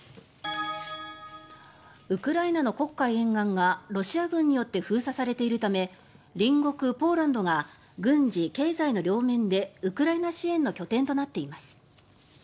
ウクライナの黒海沿岸がロシア軍によって封鎖されているため隣国ポーランドが軍事、経済の両面でウクライナ支援の拠点となっています。